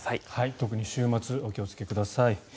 特に週末お気をつけください。